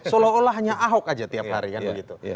seolah olah hanya ahok aja tiap hari kan begitu